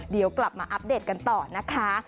เดี๋ยวกลับมาอัปเดตกันต่อนะคะ